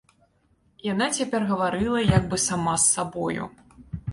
Яна цяпер гаварыла як бы сама з сабою.